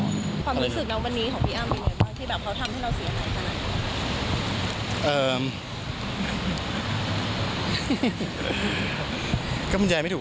ความรู้สึกน้องวันนี้ของพี่อ้างเป็นไงบ้างที่เขาทำให้เราเสียใจขนาดนี้